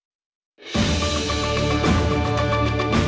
ครอบครัว